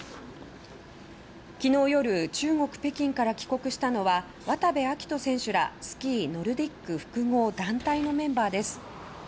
昨日夜、中国・北京から帰国したのは渡部暁斗選手らスキー・ノルディック複合団体のメンバーです。